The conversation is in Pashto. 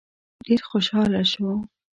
ډېر خوشاله شو.